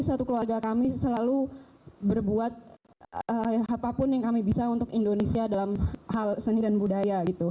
satu keluarga kami selalu berbuat apapun yang kami bisa untuk indonesia dalam hal seni dan budaya gitu